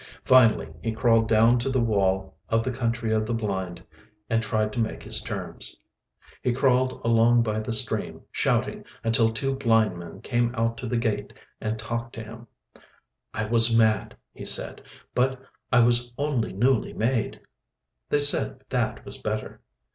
Finally he crawled down to the wall of the Country of the Blind and tried to make his terms. He crawled along by the stream, shouting, until two blind men came out to the gate and talked to him. "I was mad," he said. "But I was only newly made." They said that was better.